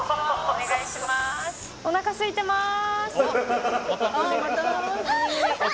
お願いします